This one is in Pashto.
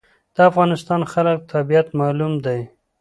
د افغانستان خلکو طبیعت معلوم دی.